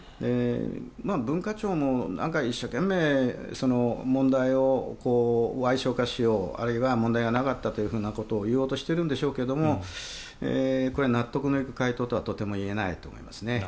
文化庁も一生懸命、問題をわい小化しようあるいは問題がなかったということを言おうとしてるんでしょうけどこれは納得のいく回答とはとても言えないと思いますね。